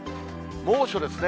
猛暑ですね。